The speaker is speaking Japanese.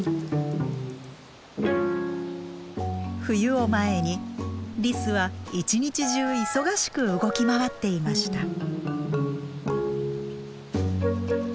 冬を前にリスは一日中忙しく動き回っていました。